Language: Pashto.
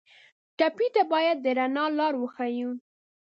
ټپي ته باید د رڼا لار وښیو.